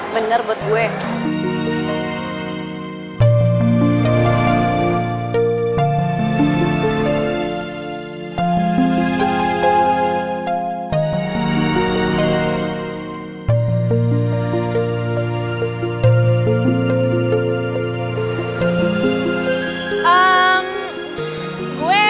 bener buat gue